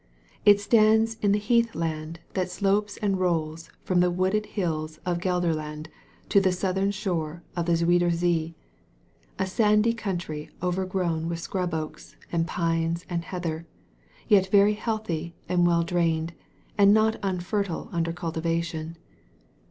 It stands in the heathland that slopes and rolls from the wooded hiUs of Gelderland to the southern shore of the Zuider Zee — a sandy country overgrown with scrub oaks and pines and heather — yet very healthy and well drained, and not unfertile imder cultivation.